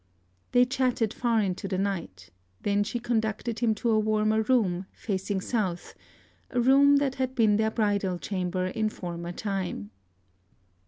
They chatted far into the night: then she conducted him to a warmer room, facing south, a room that had been their bridal chamber in former time.